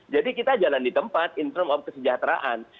jadi kita jalan di tempat interim of kesejahteraan